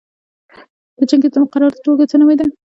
د چنګیز د مقرراتو ټولګه څه نومېده؟